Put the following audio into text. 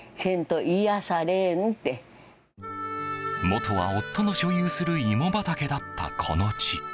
もとは夫の所有する芋畑だったこの地。